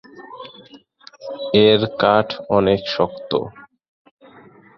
এর কাঠ অনেক শক্ত।